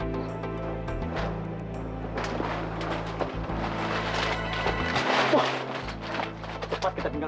oke kita bekerju selalu dari sana